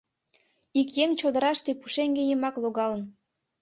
Ик еҥ чодыраште пушеҥге йымак логалын.